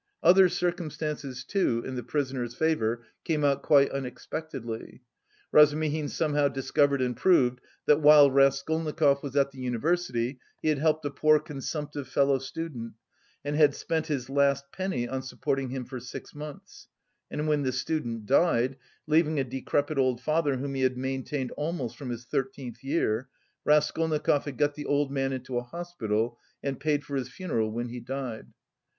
Other circumstances, too, in the prisoner's favour came out quite unexpectedly. Razumihin somehow discovered and proved that while Raskolnikov was at the university he had helped a poor consumptive fellow student and had spent his last penny on supporting him for six months, and when this student died, leaving a decrepit old father whom he had maintained almost from his thirteenth year, Raskolnikov had got the old man into a hospital and paid for his funeral when he died.